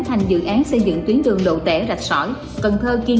thường xuyên bị cạt xe